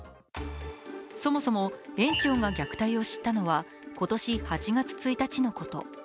そもそも園長が虐待を知ったのは今年８月１日のこと。